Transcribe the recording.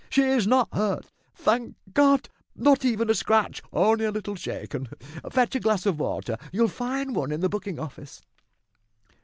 "She is not hurt, thank God not even a scratch only a little shaken. Fetch a glass of water, you'll find one in the booking office."